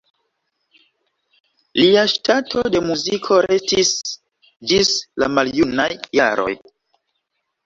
Lia ŝtato de muziko restis ĝis la maljunaj jaroj.